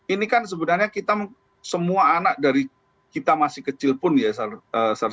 ini kan sebenarnya kita semua anak dari kita masih kecil pun ya